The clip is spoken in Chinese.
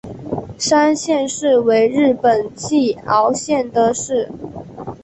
山县市为日本岐阜县的市。